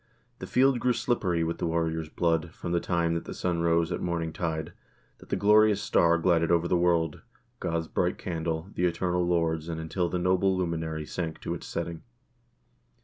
The field grew slippery with warriors' blood, from the time that the sun rose at morning tide, that the glorious star glided over the world, God's bright candle, the eternal Lord's, and until the noble luminary sank to its setting.